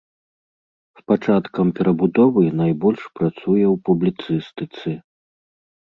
З пачаткам перабудовы найбольш працуе ў публіцыстыцы.